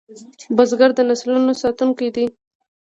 بزګر د نسلونو ساتونکی دی